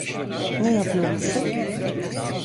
Ne yapıyormuşum?